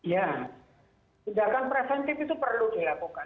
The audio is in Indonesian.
ya tindakan preventif itu perlu dilakukan